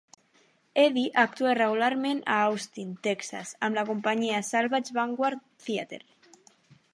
Eddy actua regularment a Austin, Texas amb la companyia Salvage Vanguard Theater.